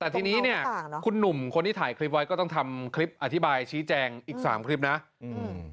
แต่ทีนี้เนี่ยคุณหนุ่มคนที่ถ่ายคลิปไว้ก็ต้องทำคลิปอธิบายชี้แจงอีกสามคลิปนะอืม